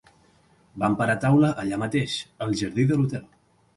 Van parar taula allà mateix, al jardí de l'hotel.